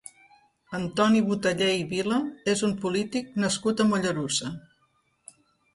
Antoni Botellé i Vila és un polític nascut a Mollerussa.